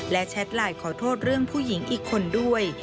และแชทไลน์ขอโทษเรื่องผู้หญิงอีกคนด้วย